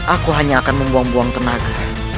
aku hanya akan membuang buang tenaga